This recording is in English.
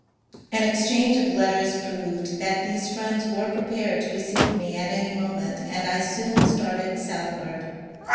An exchange of letters proved that these friends were pre pared to receive me at any moment, and I soon started south ward.